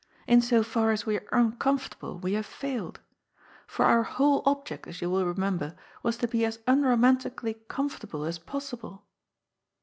In so far as we are uncomfortable, we have failed. For our whole object, as you will remember, was to be as unromantically comfortable as possible."